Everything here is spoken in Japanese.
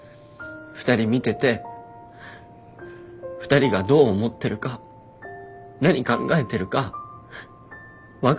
２人見てて２人がどう思ってるか何考えてるか分かるから。